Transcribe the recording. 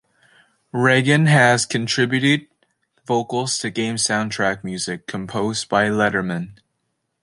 Regan has contributed vocals to game soundtrack music composed by Lederman.